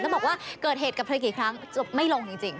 แล้วบอกว่าเกิดเหตุกับเธอกี่ครั้งจบไม่ลงจริง